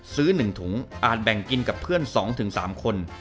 ซื้อ๑ถุงอาจแบ่งกินกับเพื่อน๒๓คน